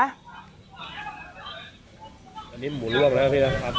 อันนี้หมูลวกแล้วพี่นะครับ